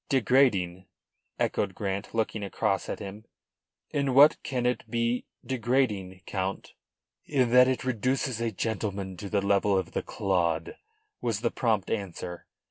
"Degrading?" echoed Grant, looking across at him. "In what can it be degrading, Count?" "In that it reduces a gentleman to the level of the clod," was the prompt answer.